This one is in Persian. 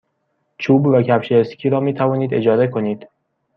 چوب و کفش اسکی را می توانید اجاره کنید.